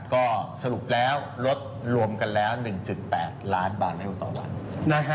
ก็สรุปแล้วลดรวมกันแล้ว๑๘ล้านบาทเร็วต่อวัน